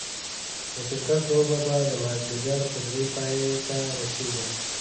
د کرکټ لوبه به دا ماځيګر په دري پايي ته رسيږي